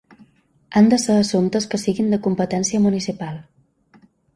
Han de ser assumptes que siguin de competència municipal.